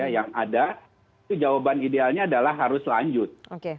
yang ada itu jawaban idealnya adalah harus lanjut